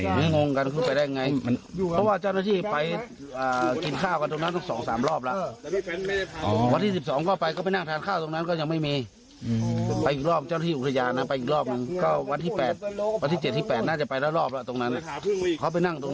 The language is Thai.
งงกันขึ้นไปได้ไงเพราะว่าเจ้าหน้าที่ไปกินข้าวกันตรงนั้นทุก๒๓รอบแล้ว